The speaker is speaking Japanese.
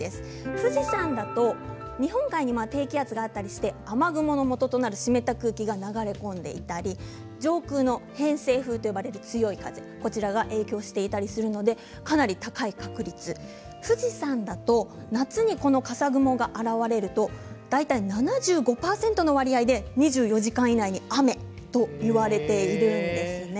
富士山だと日本海に低気圧があったりして雨雲のもととなる湿った空気が流れ込んでいたり上空の偏西風と呼ばれる強い風が影響していたりするのでかなり高い確率、富士山だと夏にこのかさ雲が現れると大体７５％の割合で２４時間以内に雨といわれているんです。